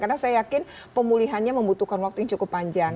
karena saya yakin pemulihannya membutuhkan waktu yang cukup panjang